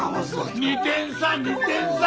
２点差２点差！